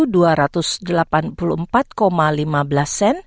dan terhadap rupiah sebesar sepuluh dua ratus delapan puluh empat lima belas sen